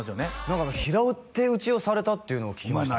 何か平手打ちをされたっていうのを聞きました